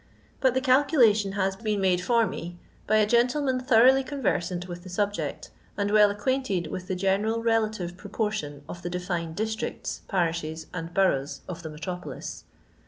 But the calculation has been made for me by a gentleman thoroughly conversant with the subject, and well acquainted with the general relative proportion of the defined districts, parishes, and borouffhs of the metropolis.